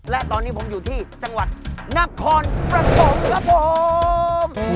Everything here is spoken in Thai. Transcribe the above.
และตอนนี้ผมอยู่ที่จังหวัดนครปฐมครับผม